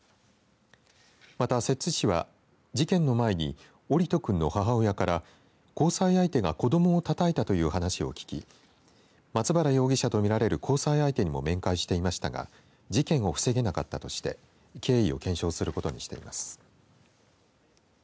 また、摂津市は事件の前に桜利斗くんの母親から交際相手が子どもをたたいたという話を聞き松原容疑者とみられる交際相手にも面会していましたが事件を防げなかったとして経緯を検証することにしています。